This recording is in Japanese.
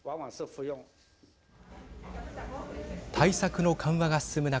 対策の緩和が進む中